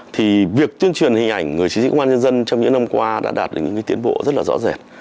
thì việc tuyên truyền hình ảnh người chiến sĩ công an nhân dân trong những năm qua đã đạt được những tiến bộ rất là rõ rệt